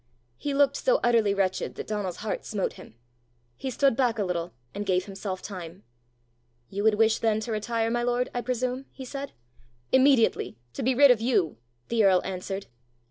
He looked so utterly wretched that Donal's heart smote him. He stood back a little, and gave himself time. "You would wish then to retire, my lord, I presume?" he said. "Immediately to be rid of you!" the earl answered.